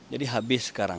jadi habis sekarang